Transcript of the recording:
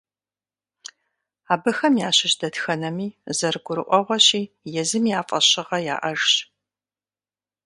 Абыхэм ящыщ дэтхэнэми, зэрыгурыӀуэгъуэщи, езым я фӀэщыгъэ яӀэжщ.